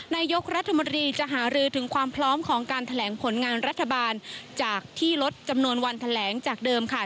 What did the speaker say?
นายกรัฐมนตรีจะหารือถึงความพร้อมของการแถลงผลงานรัฐบาลจากที่ลดจำนวนวันแถลงจากเดิมค่ะ